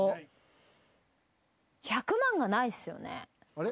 あれ？